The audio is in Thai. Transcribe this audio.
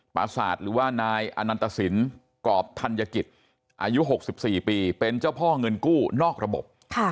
ประสาทหรือว่านายอนันตสินกรอบธัญกิจอายุ๖๔ปีเป็นเจ้าพ่อเงินกู้นอกระบบ